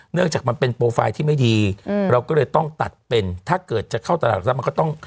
จากมันเป็นโปรไฟล์ที่ไม่ดีเราก็เลยต้องตัดเป็นถ้าเกิดจะเข้าตลาดทรัพย์มันก็ต้อง